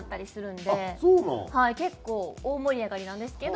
結構大盛り上がりなんですけど。